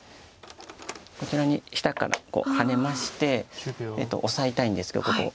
こちらに下からハネましてオサえたいんですけどここ。